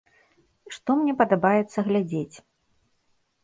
Што мне падабаецца глядзець?